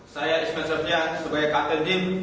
saya ismet sofian sebagai kaket team